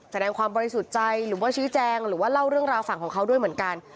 แสดงความบริสุทธิ์ใจหรือว่าชี้แจงหรือว่าเล่าเรื่องราวฝั่งของเขาด้วยเหมือนกัน